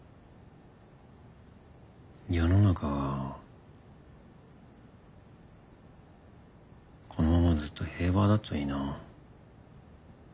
世の中このままずっと平和だといいな。